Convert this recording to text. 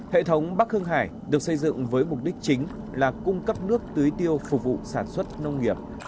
hệ thống bắc hương hải được xây dựng với mục đích chính là cung cấp nước tưới tiêu phục vụ sản xuất nông nghiệp